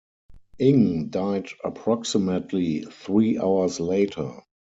Eng died approximately three hours later.